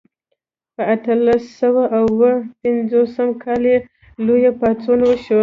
په اتلس سوه او اووه پنځوسم کال کې لوی پاڅون وشو.